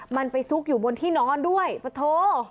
มันไปซุกอยู่บนที่นอนด้วยปะโท